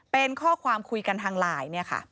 เป็นข้อความคุยกันทางไลน์